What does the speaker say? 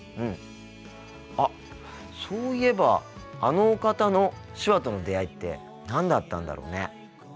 あっそういえばあのお方の手話との出会いって何だったんだろうね。